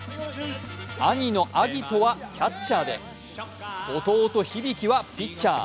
兄の晶音はキャッチャーで、弟・響はピッチャー。